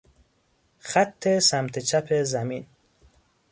خط سمت چپ زمین